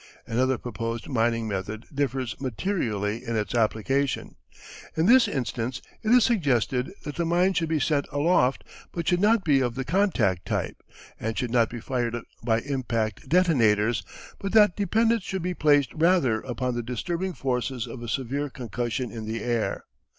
Another proposed mining method differs materially in its application. In this instance it is suggested that the mines should be sent aloft, but should not be of the contact type, and should not be fired by impact detonators, but that dependence should be placed rather upon the disturbing forces of a severe concussion in the air.